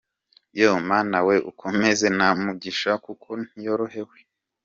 Yoooo Mana weee!! Ukomeze Kanamugisha kuko ntiyorohewe.